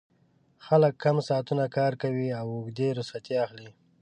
خلک کم ساعتونه کار کوي او اوږدې رخصتۍ اخلي